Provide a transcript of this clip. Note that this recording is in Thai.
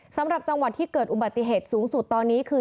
สำหรับจังหวัดที่เกิดอุบัติเหตุสูงสุดตอนนี้คือ